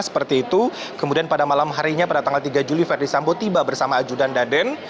seperti itu kemudian pada malam harinya pada tanggal tiga juli verdi sambo tiba bersama ajudan daden